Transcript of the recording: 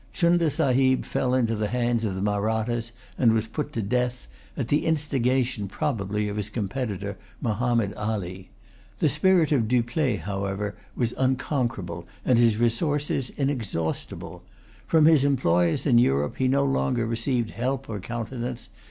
Chunda Sahib fell into the hands of the Mahrattas, and was put to death, at the instigation probably of his competitor, Mahommed Ali. The spirit of Dupleix, however, was unconquerable, and his resources inexhaustible. From his employers in Europe he no longer received help or countenance.